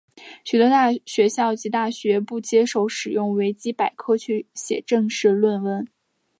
许多学校及大学不接受使用维基百科去写正式论文。